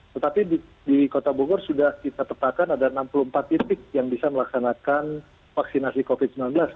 tetapi di kota bogor sudah kita petakan ada enam puluh empat titik yang bisa melaksanakan vaksinasi covid sembilan belas